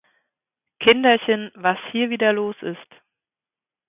Kinderchen, was hier wieder los ist!